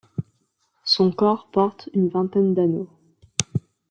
Son corps porte une vingtaine d'anneaux.